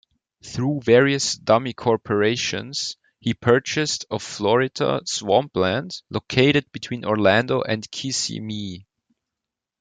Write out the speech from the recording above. Through various dummy corporations, he purchased of Florida swampland located between Orlando and Kissimmee.